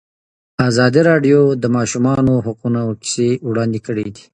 ازادي راډیو د د ماشومانو حقونه کیسې وړاندې کړي.